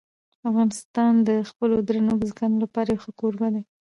افغانستان د خپلو درنو بزګانو لپاره یو ښه کوربه دی.